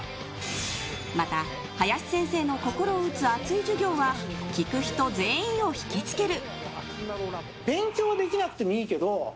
また、林先生の心を打つ熱い授業は聴く人全員を引きつける。